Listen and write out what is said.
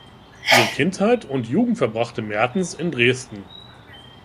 Ihre Kindheit und Jugend verbrachte Märtens in Dresden.